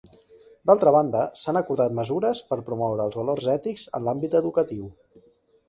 D'altra banda, s'han acordat mesures per promoure els valors ètics en l'àmbit educatiu.